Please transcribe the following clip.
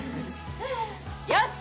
よし！